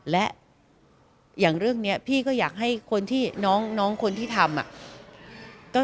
และอย่างเรื่องนี้พี่ก็อยากให้คนที่น้องคนที่ทำ